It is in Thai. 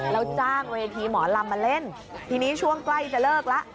แล้วจ้างเวทีหมอลำมาเล่นทีนี้ช่วงใกล้จะเลิกแล้ว